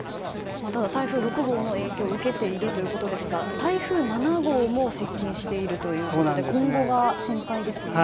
ただ、台風６号の影響を受けているということですが台風７号も接近しているということで今後が心配ですね。